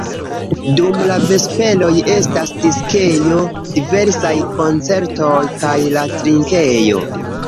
Dum la vesperoj estas diskejo, diversaj koncertoj, kaj la trinkejo.